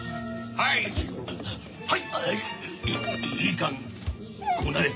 はい！